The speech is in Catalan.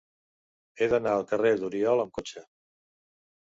He d'anar al carrer d'Oriol amb cotxe.